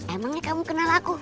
emangnya kamu kenal aku